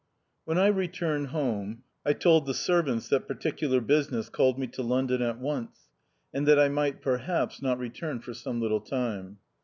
When I returned home, I told the servants that particular business called me to London at once, and that I might perhaps not return for some little time.